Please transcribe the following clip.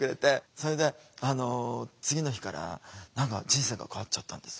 それで次の日から人生が変わっちゃったんです。